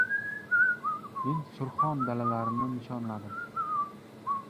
Men Surxon dalalarini nishonladim.